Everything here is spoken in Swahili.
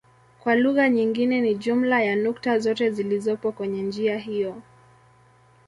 Kwa lugha nyingine ni jumla ya nukta zote zilizopo kwenye njia hiyo.